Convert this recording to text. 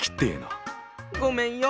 ごめんよ